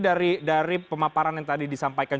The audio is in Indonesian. dari pemaparan yang tadi disampaikan